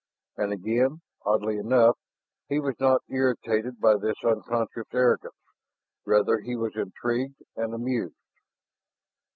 And again, oddly enough, he was not irritated by this unconscious arrogance; rather he was intrigued and amused.